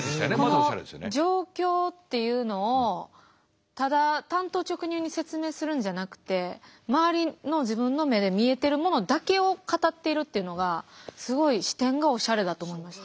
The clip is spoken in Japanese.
この状況っていうのをただ単刀直入に説明するんじゃなくて周りの自分の目で見えてるものだけを語っているっていうのがすごい視点がおしゃれだと思いました。